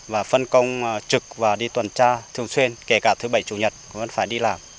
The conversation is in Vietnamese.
và phân công trực và đi tuần tra thường xuyên kể cả thứ bảy chủ nhật vẫn phải đi làm